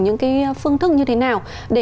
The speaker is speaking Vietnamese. những cái phương thức như thế nào để